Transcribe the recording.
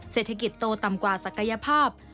เศรษฐกิจโตต่ำกว่าศักยภาพ